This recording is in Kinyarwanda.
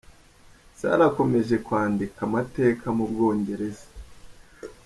Salah akomeje kwandika amateka mu Bwongereza.